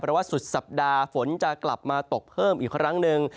เพราะว่าสุดสัปดาห์ฝนจะกลับมาตกเพิ่มอีกครั้งหนึ่ง